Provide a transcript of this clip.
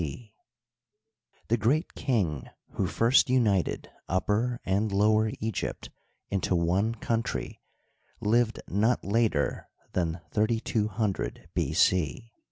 — The great king who first united Upper and Lower Egypt into one country lived not later than 3200 b. c.